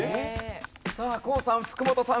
さあＫＯＯさん福本さん